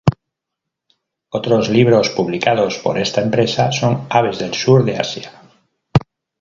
Otros libros publicados por esta empresa son aves del sur de Asia.